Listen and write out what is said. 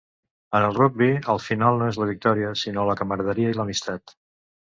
En el rugbi el final no és la victòria, sinó la camaraderia i l'amistat.